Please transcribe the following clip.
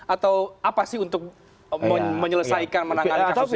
atau apa sih untuk menyelesaikan menangani kasus ini